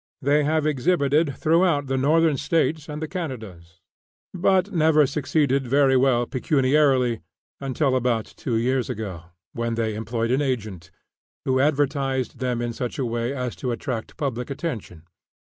They have exhibited throughout the Northern States and the Canadas; but never succeeded very well pecuniarily until about two years ago, when they employed an agent, who advertised them in such a way as to attract public attention.